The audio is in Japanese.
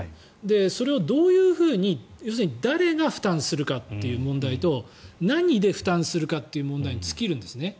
それをどう、要するに誰が負担するかという問題と何で負担するかという問題に尽きるんです。